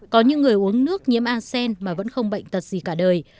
có những người uống nước nhiễm arsen mà vẫn không bệnh thật gì